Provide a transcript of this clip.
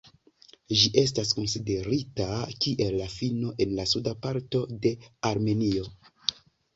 Ĝi estas konsiderita kiel la fino en la suda parto de Armenio.